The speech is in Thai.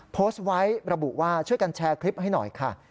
โพสต์ไว้ระบุว่าช่วยกันแชร์คลิปให้หน่อยค่ะ